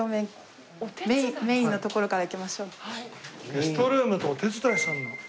ゲストルームとお手伝いさんの。